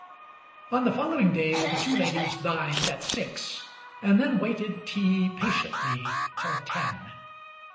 On the following day the two ladies dined at six, and then waited tea patiently till ten.